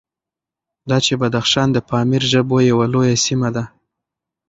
دا چې بدخشان د پامیري ژبو یوه لویه سیمه ده،